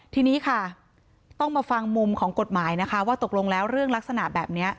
ทีนี้ค่ะต้องมาฟังมุมของกฎหมายนะคะว่าตกลงแล้วเรื่องลักษณะแบบนี้